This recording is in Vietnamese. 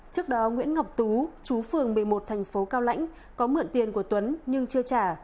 trước đó nguyễn ngọc tú chú phường một mươi một thành phố cao lãnh có mượn tiền của tuấn nhưng chưa trả